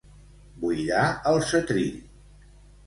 Buidar el setrill.